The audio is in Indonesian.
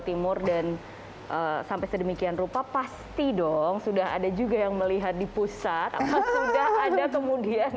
timur dan sampai sedemikian rupa pasti dong sudah ada juga yang melihat di pusat sudah ada kemudian